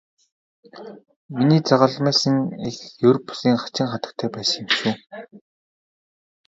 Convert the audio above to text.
Миний загалмайлсан эх ер бусын хачин хатагтай байсан юм шүү.